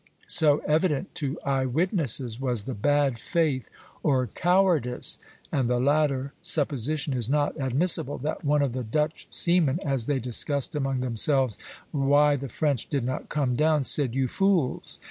So evident to eye witnesses was the bad faith or cowardice (and the latter supposition is not admissible), that one of the Dutch seamen, as they discussed among themselves why the French did not come down, said: "You fools!